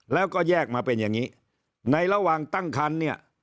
แล้วก็แยกมาเป็นอย่างนี้ในระหว่างตั้งคันเนี่ย